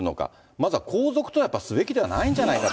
まずは、皇族とやっぱり、すべきではないんじゃないかと。